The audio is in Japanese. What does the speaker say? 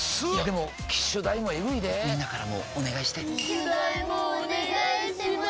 でも機種代もエグいでぇみんなからもお願いして機種代もお願いします